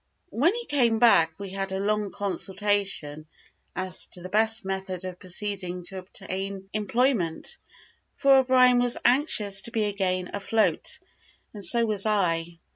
When he came back, we had a long consultation as to the best method of proceeding to obtain employment, for O'Brien was anxious to be again afloat, and so was I.